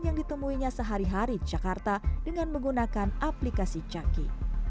yang ditemuinya sehari hari jakarta dengan menggunakan aplikasi jaki